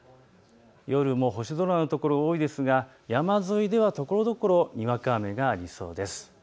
夜も星空のところが多いですが山沿いではところどころにわか雨がありそうです。